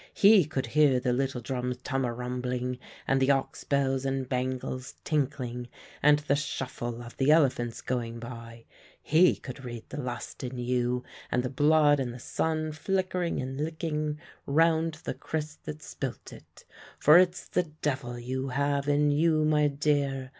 He could hear the little drums tum a rumbling, and the ox bells and bangles tinkling, and the shuffle of the elephants going by; he could read the lust in you, and the blood and the sun flickering and licking round the kris that spilt it for it's the devil you have in you, my dear.